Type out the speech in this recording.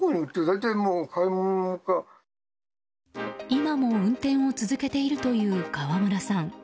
今も運転を続けているという川村さん。